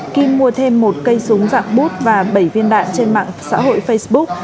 kim mua thêm một cây súng dạng bút và bảy viên đạn trên mạng xã hội facebook